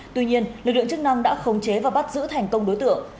tuy nhiên lực lượng chức năng đã khống chế và bắt giữ thành công đối tượng